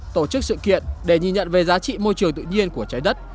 tổ chức sự kiện để nhìn nhận về giá trị môi trường tự nhiên của trái đất